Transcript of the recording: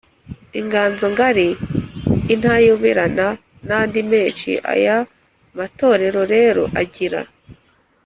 inganzo ngari, intayoberana n’andi menshi aya matorero rero agira